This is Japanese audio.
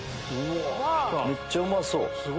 めっちゃうまそう。